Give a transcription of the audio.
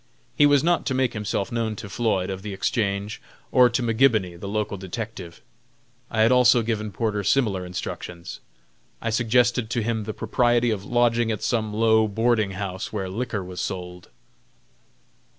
He was not to make himself known to Floyd, of the Exchange, or to McGibony, the local detective. I had also given Porter similar instructions. I suggested to him the propriety of lodging at some low boarding house where liquor was sold.